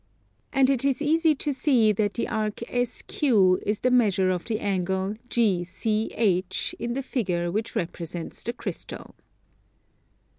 And it is easy to see that the arc SQ is the measure of the angle GCH in the figure which represents the crystal.